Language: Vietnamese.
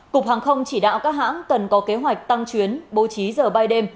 cục hàng không chỉ đạo các hãng cần có kế hoạch tăng chuyến bố trí giờ bay đêm